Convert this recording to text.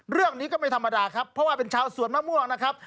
เรื่องนี้ก็ไม่ธรรมดาครับเพราะว่าเป็นชาวสวนมะม่วงนะครับ